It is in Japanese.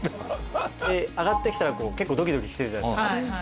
上がってきたら結構ドキドキしてるじゃないですか。